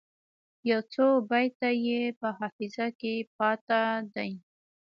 یو څو بیته یې په حافظه کې پاته دي.